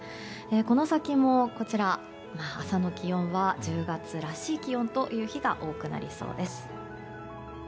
この先も朝の気温は１０月らしい気温という日が多くなりそうです。